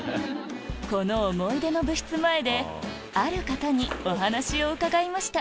この思い出の部室前である方にお話を伺いました